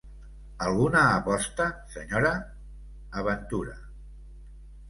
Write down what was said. Alguna aposta, senyora? —aventura.